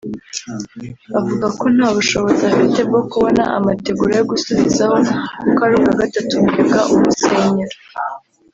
Avuga ko nta bushobozi afite bwo kubona amategura yo gusubizaho kuko ari ubwa gatatu umuyaga umusenyera